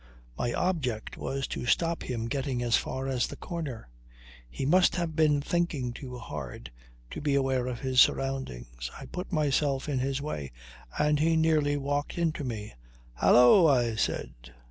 My object was to stop him getting as far as the corner. He must have been thinking too hard to be aware of his surroundings. I put myself in his way, and he nearly walked into me. "Hallo!" I said.